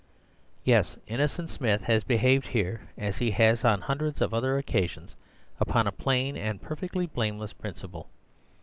"Yes, Innocent Smith has behaved here, as he has on hundreds of other occasions, upon a plain and perfectly blameless principle.